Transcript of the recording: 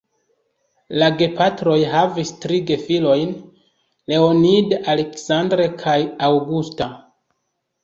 La gepatroj havis tri gefilojn: Leonid, "Aleksandr" kaj "Aŭgusta".